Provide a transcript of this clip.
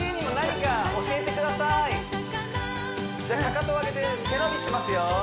かかとを上げて背伸びしますよ